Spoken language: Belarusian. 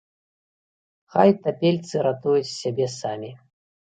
Хай тапельцы ратуюць сябе самі.